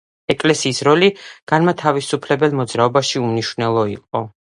ეკლესიის როლი განმათავისუფლებელ მოძრაობაში უმნიშვნელო იყო.